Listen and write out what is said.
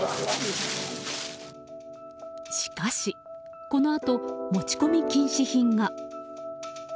しかし、このあと持ち込み禁止品が。